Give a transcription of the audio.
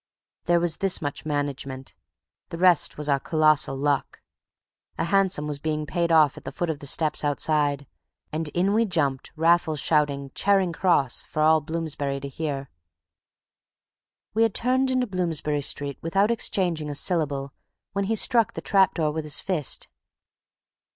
There was this much management. The rest was our colossal luck. A hansom was being paid off at the foot of the steps outside, and in we jumped, Raffles shouting "Charing Cross!" for all Bloomsbury to hear. We had turned into Bloomsbury Street without exchanging a syllable when he struck the trap door with his fist.